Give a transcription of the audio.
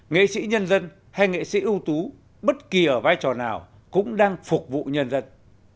nghệ sĩ nhân dân hay nghệ sĩ ưu tú bất kỳ ở vai trò nào cũng đang phục vụ nhân dân